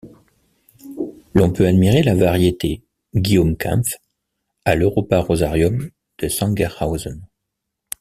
L'on peut admirer la variété 'Guillaume Kaempf' à l'Europa-Rosarium de Sangerhausen.